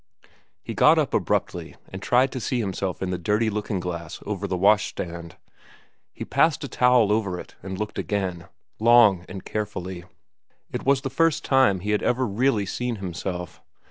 He got up abruptly and tried to see himself in the dirty looking glass over the wash stand. He passed a towel over it and looked again, long and carefully. It was the first time he had ever really seen himself.